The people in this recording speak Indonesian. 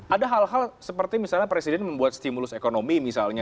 ada hal hal seperti misalnya presiden membuat stimulus ekonomi misalnya